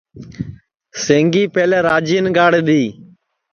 سینگی پیہلے راجِئین گاݪ دؔی